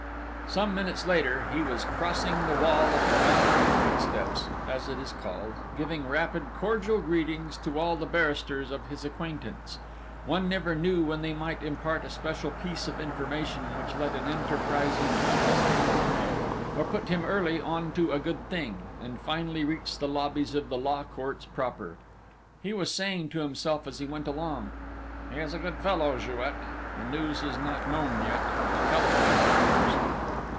Some minutes later he was crossing the hall of the Wandering Footsteps (as it is called), giving rapid, cordial greetings to all the barristers of his acquaintance one never knew when they might impart a special piece of information which let an enterprising journalist into the know, or put him early on to a good thing and finally reached the lobbies of the Law Courts proper. He was saying to himself as he went along: "He is a good fellow, Jouet! The news is not known yet! He telephoned me first!"